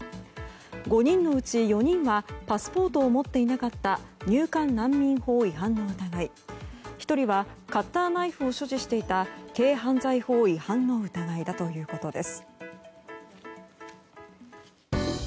５人のうち４人はパスポートを持っていなかった入管難民法違反の疑い１人はカッターナイフを所持していた軽犯罪法違反の疑いだということです。